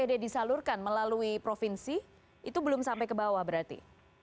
apd disalurkan melalui provinsi itu belum sampai ke bawah berarti